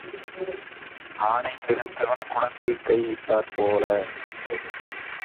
ஆனை கெடுத்தவன் குடத்தில் கை இட்டாற் போல.